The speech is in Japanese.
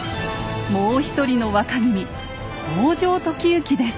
もう一人の若君北条時行です。